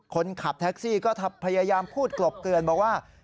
คนขับแท็กซี่ก็พยายามพูดกลบเตือนบอกว่า